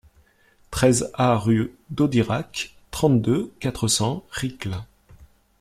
treize A rue Daudirac, trente-deux, quatre cents, Riscle